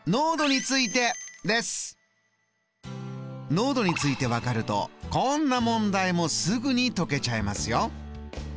濃度について分かるとこんな問題もすぐに解けちゃいますよ。